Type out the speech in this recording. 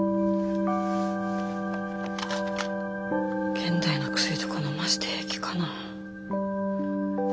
現代の薬とかのませて平気かな。